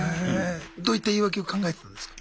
どういった言い訳を考えてたんですか？